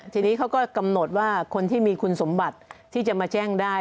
ทีนี้เขาก็กำหนดว่าคนที่มีคุณสมบัติที่จะมาแจ้งได้